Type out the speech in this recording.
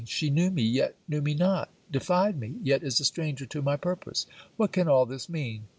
she knew me: yet knew me not. defied me: yet is a stranger to my purpose. What can all this mean?